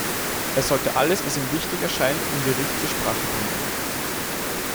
Er sollte alles, was ihm wichtig erscheint, im Gericht zur Sprache bringen.